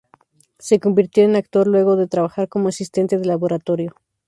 Se convirtió en actor luego de trabajar como asistente de laboratorio.